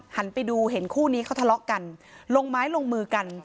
หันไปดูเห็นคู่นี้เขาทะเลาะกันลงไม้ลงมือกัน